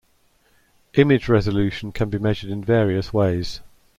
Image resolution can be measured in various ways.